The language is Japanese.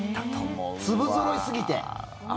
粒ぞろいすぎて。